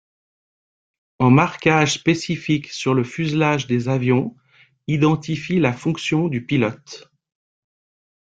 Un marquage spécifique sur le fuselage des avions identifie la fonction du pilote.